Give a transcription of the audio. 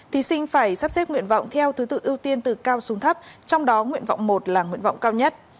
thí sinh phải sắp xếp nguyện vọng theo thứ tự ưu tiên từ cao xuống thấp trong đó nguyện vọng một là nguyện vọng cao nhất